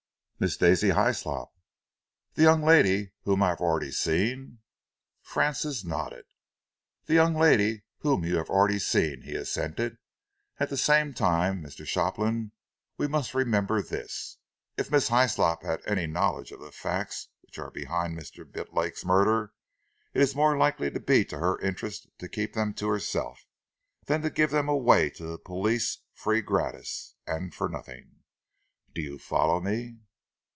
"Miss Daisy Hyslop." "The young lady whom I have already seen?" Francis nodded. "The young lady whom you have already seen," he assented. "At the same time, Mr. Shopland, we must remember this. If Miss Hyslop has any knowledge of the facts which are behind Mr. Bidlake's murder, it is more likely to be to her interest to keep them to herself, than to give them away to the police free gratis and for nothing. Do you follow me?"